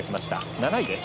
７位です。